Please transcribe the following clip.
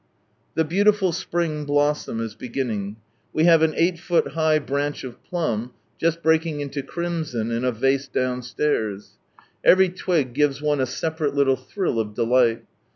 The beautiful Spring Blossom is beginning. We have an eight foot high branch of Plum, just breaking into crimson, in a vase downstairs. Every twig gives one a separate little thrill of delight.